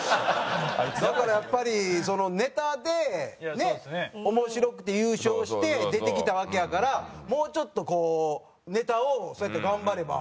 だからやっぱりネタでね面白くて優勝して出てきたわけやからもうちょっとこうネタをそうやって頑張ればどう？